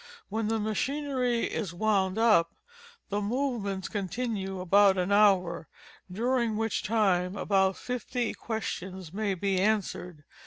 When the machinery is wound up, the movements continue about an hour, during which time about fifty questions may be answered.